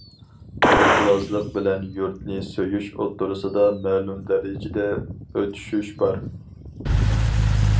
يۇرتۋازلىق بىلەن يۇرتنى سۆيۈش ئوتتۇرىسىدا مەلۇم دەرىجىدە ئۆتۈشۈش بار.